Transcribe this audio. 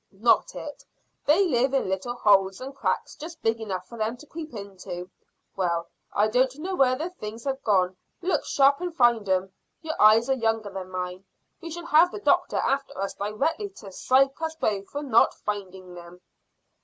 "Not it; they live in little holes and cracks just big enough for them to creep into. Well, I don't know where the things have gone. Look sharp and find 'em; your eyes are younger than mine. We shall have the doctor after us directly to physic us both for not finding them."